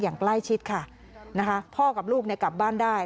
อย่างใกล้ชิดค่ะนะคะพ่อกับลูกเนี่ยกลับบ้านได้